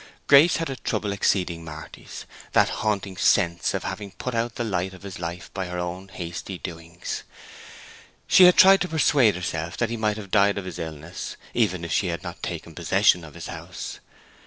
Grace had a trouble exceeding Marty's—that haunting sense of having put out the light of his life by her own hasty doings. She had tried to persuade herself that he might have died of his illness, even if she had not taken possession of his house.